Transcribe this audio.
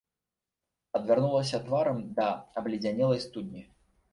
Адвярнулася тварам да абледзянелай студні.